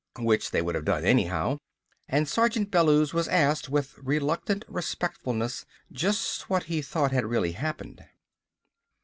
Which they would have done anyhow. And Sergeant Bellews was asked with reluctant respectfulness, just what he thought had really happened.